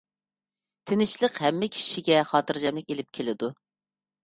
تىنچلىق ھەممە كىشىگە خاتىرجەملىك ئىلىپ كېلىدۇ.